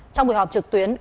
trong buổi họp trực tuyến